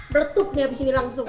bertuk nih abis ini langsung